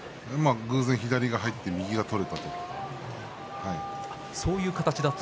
そして偶然、左が入って右が取れました。